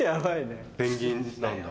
ペンギンなんだ。